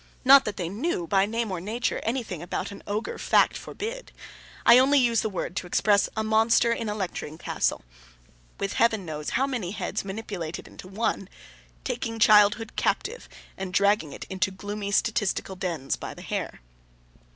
Not that they knew, by name or nature, anything about an Ogre Fact forbid! I only use the word to express a monster in a lecturing castle, with Heaven knows how many heads manipulated into one, taking childhood captive, and dragging it into gloomy statistical dens by the hair.